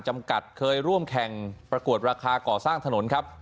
จำกัดเคยร่วมแข่งประกวดราคาก่อสร้างถนนครับ